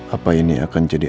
apa ini akan jadi